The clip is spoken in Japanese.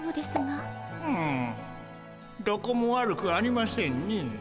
うんどこも悪くありませんね。